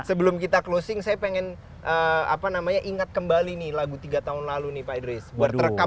sebelum kita closing saya pengen ingat kembali nih lagu tiga tahun lalu nih pak idris buat terekam